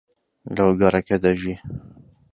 لەو گەڕەکە دەژی.